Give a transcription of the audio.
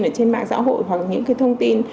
trên mạng xã hội hoặc những thông tin